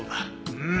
うん。